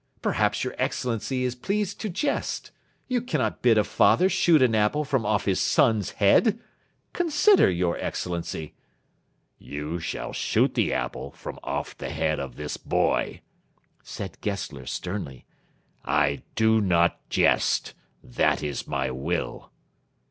Perhaps your Excellency is pleased to jest. You cannot bid a father shoot an apple from off his son's head! Consider, your Excellency!" "You shall shoot the apple from off the head of this boy," said Gessler sternly. "I do not jest. That is my will."